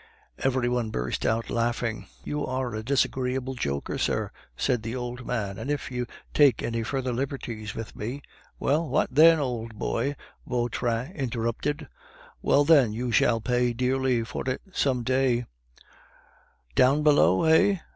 Every one burst out laughing. "You are a disagreeable joker, sir," said the old man, "and if you take any further liberties with me " "Well, what then, old boy?" Vautrin interrupted. "Well, then, you shall pay dearly for it some day " "Down below, eh?"